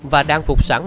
và đang phục sẵn